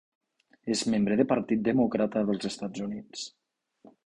És membre de Partit Demòcrata dels Estats Units.